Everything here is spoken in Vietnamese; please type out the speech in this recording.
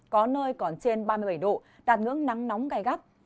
có nơi còn trên ba mươi bảy độ đạt ngưỡng nắng nóng gai gắt